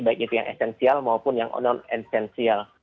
baik itu yang esensial maupun yang non esensial